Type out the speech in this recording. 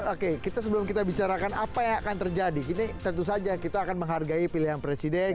oke kita sebelum kita bicarakan apa yang akan terjadi ini tentu saja kita akan menghargai pilihan presiden